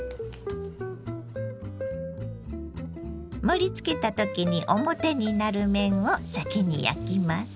盛りつけた時に表になる面を先に焼きます。